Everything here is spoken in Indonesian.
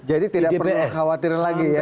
jadi tidak perlu khawatir lagi ya